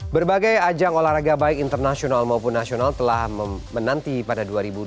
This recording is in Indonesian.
berbagai ajang olahraga baik internasional maupun nasional telah menanti pada dua ribu dua puluh empat